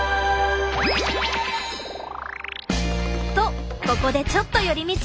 とここでちょっと寄り道。